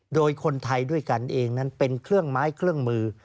โดยคนไทยด้วยกันเองนั้นเป็นเครื่องไม้เครื่องมือ